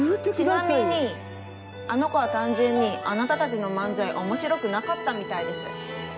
ちなみにあの子は単純にあなたたちの漫才面白くなかったみたいです。